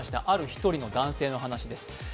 ある１人の男性の話です。